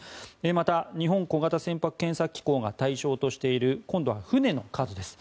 また、日本小型船舶検査機構が対象としている今度は船の数です。